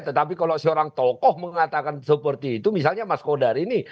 tetapi kalau seorang tokoh mengatakan seperti itu misalnya mas kodari ini